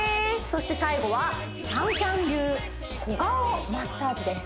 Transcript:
そして最後はＣａｎＣａｍ流小顔マッサージです